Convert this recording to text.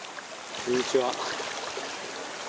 こんにちは。